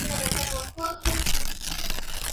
En los primeros tienes menos de tres crestas de pelo.